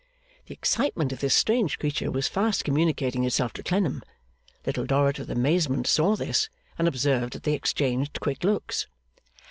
The excitement of this strange creature was fast communicating itself to Clennam. Little Dorrit with amazement, saw this, and observed that they exchanged quick looks.